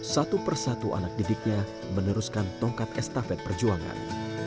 satu persatu anak didiknya meneruskan tongkat estafet perjuangan